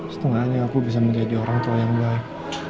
setengahnya aku bisa menjadi orang tua yang baik